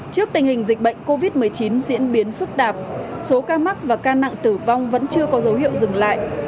trước tình hình dịch bệnh covid một mươi chín diễn biến phức tạp số ca mắc và ca nặng tử vong vẫn chưa có dấu hiệu dừng lại